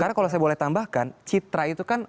karena kalau saya boleh tambahkan citra itu kan